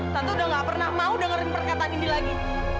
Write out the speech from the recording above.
tante udah gak pernah mau dengerin perkataan ini lagi